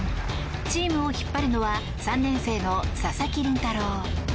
チームを引っ張るのは３年生の佐々木麟太郎。